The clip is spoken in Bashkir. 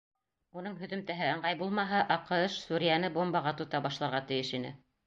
Уның һөҙөмтәһе ыңғай булмаһа, АҠШ Сүриәне бомбаға тота башларға тейеш ине.